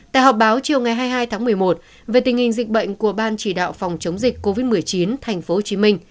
tại họp báo chiều hai mươi hai một mươi một về tình hình dịch bệnh của ban chỉ đạo phòng chống dịch covid một mươi chín tp hcm